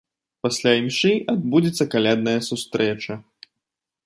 Пасля імшы адбудзецца калядная сустрэча.